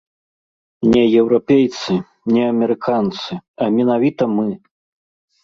Не еўрапейцы, не амерыканцы, а менавіта мы.